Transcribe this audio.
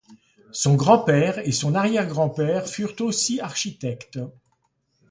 Son grand-père et son arrière-grand-père furent aussi architectes.